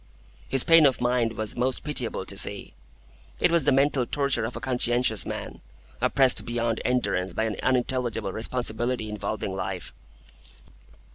His pain of mind was most pitiable to see. It was the mental torture of a conscientious man, oppressed beyond endurance by an unintelligible responsibility involving life.